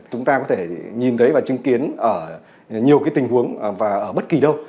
chúng ta có thể nhìn thấy và chứng kiến ở nhiều tình huống và ở bất kỳ đâu